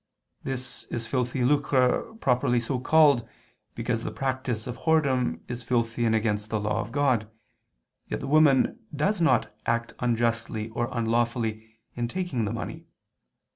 This is filthy lucre properly so called, because the practice of whoredom is filthy and against the Law of God, yet the woman does not act unjustly or unlawfully in taking the money.